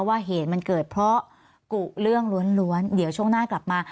ว่าเหตุมันเกิดเพราะกุเรื่องล้วนเดี๋ยวช่วงหน้ากลับมา